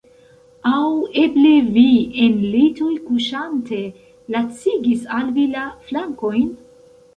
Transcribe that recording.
Aŭ eble vi, en litoj kuŝante, lacigis al vi la flankojn?